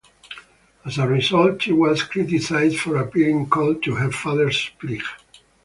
As a result, she was criticised for appearing cold to her father's plight.